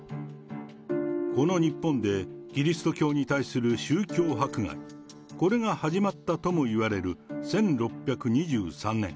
この日本でキリスト教に対する宗教迫害、これが始まったともいわれる１６２３年。